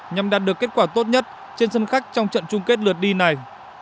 nhằm đạt được kết quả tốt nhất trên sân khách trong trận chung kết lượt đi này